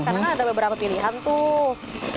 karena kan ada beberapa pilihan tuh